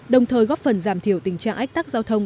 đồng thời góp phần giảm thiểu tình trạng ách tắc giao thông